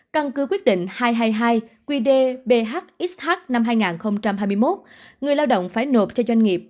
căn cứ quyết định hai trăm hai mươi hai qd bhxh năm hai nghìn hai mươi một người lao động phải nộp cho doanh nghiệp